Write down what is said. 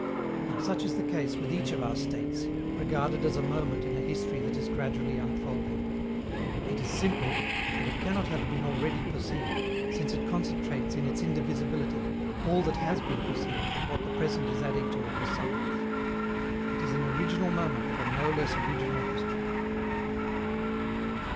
Now such is the case with each of our states, regarded as a moment in a history that is gradually unfolding: it is simple, and it cannot have been already perceived, since it concentrates in its indivisibility all that has been perceived and what the present is adding to it besides. It is an original moment of a no less original history.